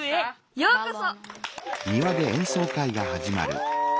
ようこそ！